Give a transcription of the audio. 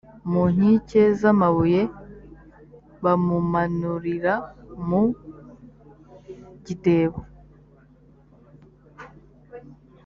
mu nkike z amabuye bamumanurira mu gitebo